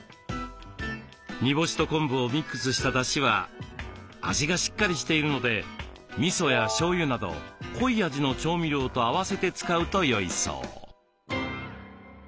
煮干しと昆布をミックスしただしは味がしっかりしているのでみそやしょうゆなど濃い味の調味料と合わせて使うとよいそう。